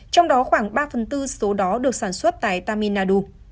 trong đó khoảng ba phần tư số đó được sản xuất tại tamil nadu